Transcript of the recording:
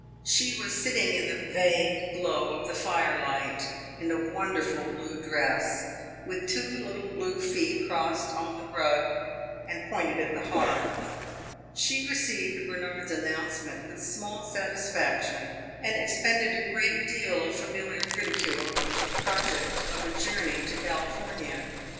She was sitting in the vague glow of the fire light, in a wonderful blue dress, with two little blue feet crossed on the rug and pointed at the hearth. She received Bernard's announcement with small satisfaction, and expended a great deal of familiar ridicule on his project of a journey to California.